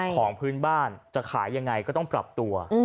ของพื้นบ้านจะขายยังไงก็ต้องปรับตัว